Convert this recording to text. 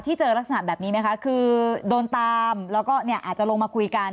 เจอลักษณะแบบนี้ไหมคะคือโดนตามแล้วก็เนี่ยอาจจะลงมาคุยกัน